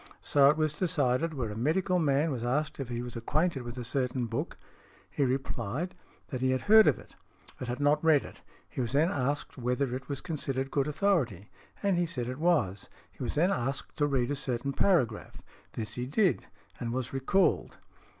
So it was decided where a medical man was asked if he was acquainted with a certain book; he replied, that he had heard of it, but had not read it. He was then asked |101| whether it was considered good authority, and he said it was. He was then asked to read a certain paragraph; this he did, and was re called.